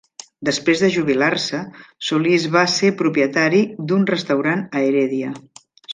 Després de jubilar-se, Solis va ser propietari d"un restaurant a Heredia.